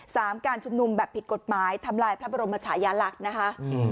การชุมนุมแบบผิดกฎหมายทำลายพระบรมชายาลักษณ์นะคะอืม